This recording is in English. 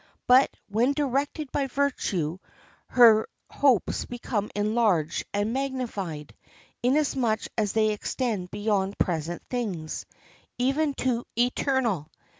But, when directed by virtue, her hopes become enlarged and magnified, inasmuch as they extend beyond present things—even to things eternal.